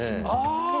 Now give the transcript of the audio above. ああ！